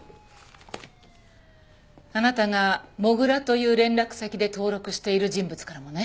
あなたが「土竜」という連絡先で登録している人物からもね。